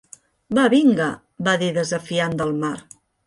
Va vinga, va dir desafiant Del Mar.